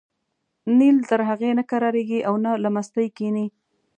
نیل تر هغې نه کرارېږي او نه له مستۍ کېني.